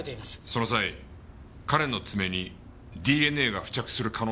その際彼の爪にＤＮＡが付着する可能性は？